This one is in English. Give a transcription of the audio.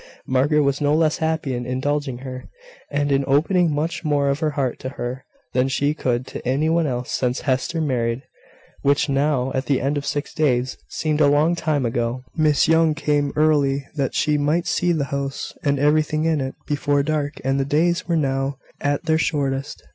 Margaret was no less happy in indulging her, and in opening much more of her heart to her than she could to any one else since Hester married which now, at the end of six days, seemed a long time ago. Miss Young came early, that she might see the house, and everything in it, before dark; and the days were now at their shortest.